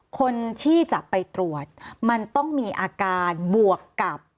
คนที่จะไปตรวจมันต้องมีอาการบวกกับ